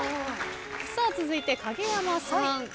続いて影山さん。